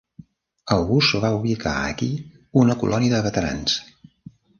August va ubicar aquí una colònia de veterans.